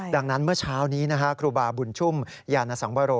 ดังนั้นเมื่อเช้านี้ครูบาบุญชุ่มยานสังวโร